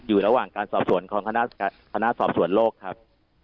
อยู่ระหว่างการสอบสวนของคณะสอบสวนโลกครับ